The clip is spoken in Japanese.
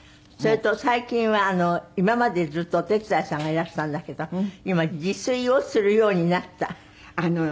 それと最近は今までずっとお手伝いさんがいらしたんだけど今自炊をするようになった。